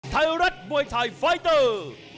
ไทยรัฐมวยไทยไฟเตอร์